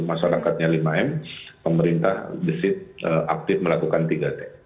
masyarakatnya lima m pemerintah gesit aktif melakukan tiga t